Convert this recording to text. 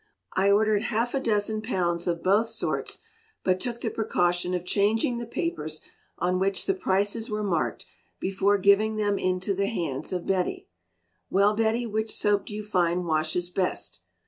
I ordered half a dozen pounds of both sorts, but took the precaution of changing the papers on which the prices were marked before giving them into the hands of Betty. "Well, Betty, which soap do you find washes best?"